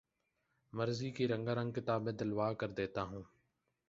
مرضی کی رنگار نگ کتابیں دلوا کر دیتا ہوں